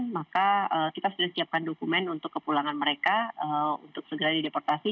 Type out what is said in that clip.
maka kita sudah siapkan dokumen untuk kepulangan mereka untuk segera dideportasi